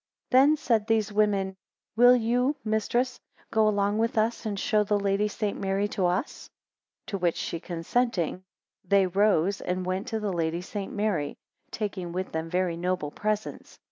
16 Then said these women, Will you Mistress, go along with us, and show the Lady St. Mary to us? 17 To which she consenting, they arose and went to the Lady St. Mary, taking with them very noble presents.